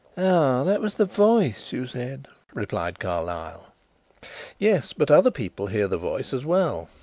"Ah, that was the voice, you said," replied Carlyle. "Yes; but other people heard the voice as well.